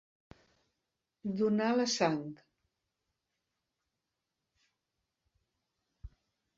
Donar la sang.